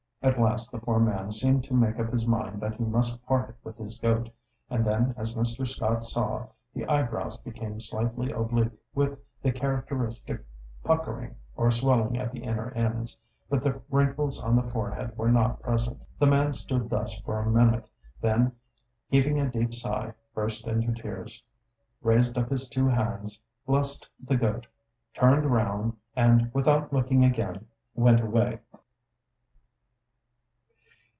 At last the poor man seemed to make up his mind that he must part with his goat, and then, as Mr. Scott saw, the eyebrows became slightly oblique, with the characteristic puckering or swelling at the inner ends, but the wrinkles on the forehead were not present. The man stood thus for a minute, then heaving a deep sigh, burst into tears, raised up his two hands, blessed the goat, turned round, and without looking again, went away.